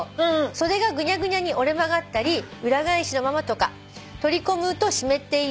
「袖がグニャグニャに折れ曲がったり裏返しのままとか取り込むと湿っています」